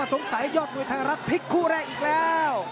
สงสัยยอดโดยไทยรัฐพลิกคู่แรกอีกแล้ว